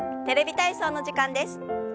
「テレビ体操」の時間です。